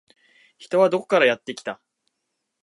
人はどこからかやってきた